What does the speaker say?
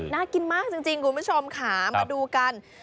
น่ากินมากจริงคุณผู้ชมค่ะมาดูกัน